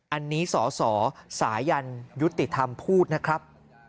อันนี้สสสายันยุติธรรมพูดนะครับ